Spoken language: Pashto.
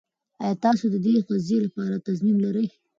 ایا تاسو د دې قضیې لپاره تضمین لرئ؟